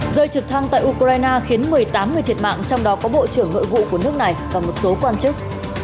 rơi trực thăng tại ukraine khiến một mươi tám người thiệt mạng trong đó có bộ trưởng nội vụ của nước này và một số quan chức